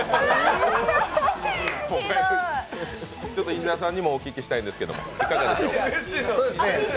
石田さんにもお聞きしたいですけどいかがですか？